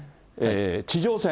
地上戦。